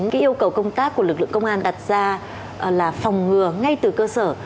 yêu cầu công tác của lực lượng công an đặt ra là phòng ngừa ngay từ cơ sở